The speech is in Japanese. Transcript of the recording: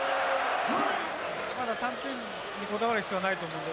３点にこだわる必要はないと思うので。